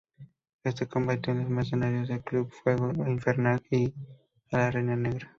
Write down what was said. Éste combatió a los mercenarios del Club Fuego Infernal, y a la Reina Negra.